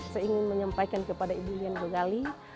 saya ingin menyampaikan kepada ibu lian gogali